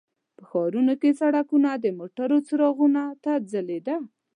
په ښارونو کې سړکونه د موټرو څراغونو ته ځلیده.